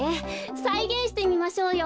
さいげんしてみましょうよ。